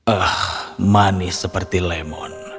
ah manis seperti lemon